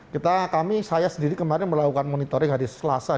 kita kami saya sendiri kemarin melakukan monitoring hari selasa